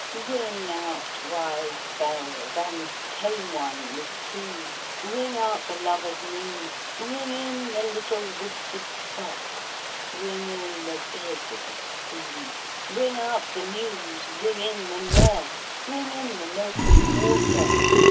Ring out, wild bells, and tame ones too! Ring out the lover's moon! Ring in the little worsted socks! Ring in the bib and spoon! Ring out the muse! ring in the nurse! Ring in the milk and water!